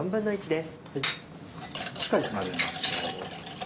しっかり混ぜましょう。